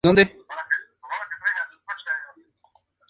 Su abuelo materno era originario de Xiamen en la provincia china de Fujian.